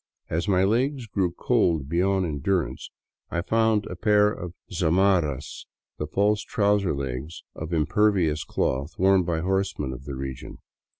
As my legs grew cold beyond endurance, I found a pair of zamarras, the false trouser legs of im pervious cloth worn by horsemen of the region.